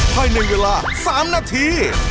ให้ในเวลา๓นาที